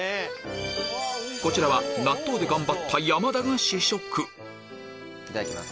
こちらは納豆で頑張ったいただきます。